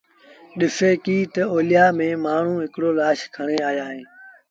ڏسي ڪيٚ تا اوليآ ميݩ مآڻهوٚٚݩ هڪڙو لآش کڻي آيآ اهيݩ